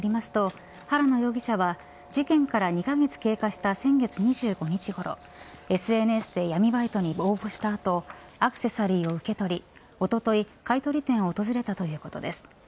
警視庁によりますと原野容疑者は事件から２カ月経過した先月２５日ごろＳＮＳで闇バイトに応募した後アクセサリーを受け取りおととい、買い取り店を訪れたということです。